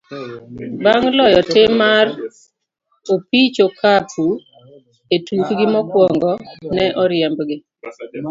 Bang' loyo tim mar opich okapu e tukgi mokwongo, ne oriembgi.